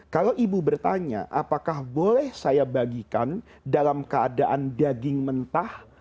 kalau ibu bertanya apakah boleh saya bagikan dalam keadaan daging mentah